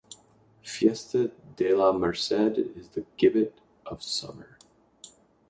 Fiesta de la Merced is the gibbet of summer.